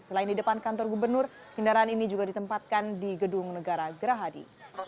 selain di depan kantor gubernur kendaraan ini juga ditempatkan di gedung negara gerahadi